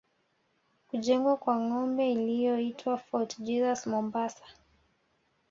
Kujengwa kwa ngome iliyoitwa Fort Jesus Mombasa